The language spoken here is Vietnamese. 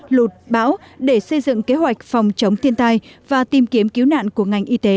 lụt bão để xây dựng kế hoạch phòng chống thiên tai và tìm kiếm cứu nạn của ngành y tế